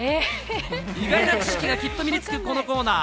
意外な知識がきっと身につくこのコーナー。